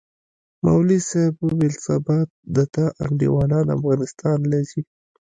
مولوي صاحب وويل سبا د تا انډيوالان افغانستان له زي.